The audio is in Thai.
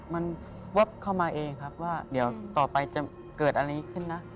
มันวับเข้ามาเองครับว่าเดี๋ยวต่อไปจะเกิดอะไรขึ้นนะ